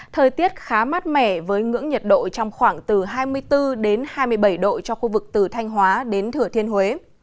thời tiết khá mát mẻ với ngưỡng nhiệt độ trong khoảng từ hai mươi bốn hai mươi bảy độ cho khu vực từ thanh hóa đến thừa thiên huế